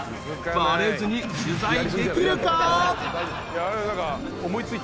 ［バレずに取材できるか？］